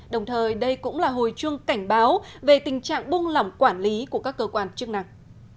đồng thời đây cũng là hồi chuông cảnh báo về tình trạng bung lỏng quản lý của các cơ quan chức năng